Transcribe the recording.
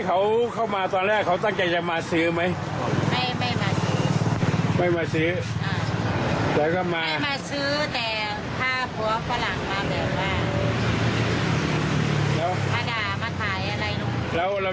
อ่าเดี๋ยวฟังดูนะครับ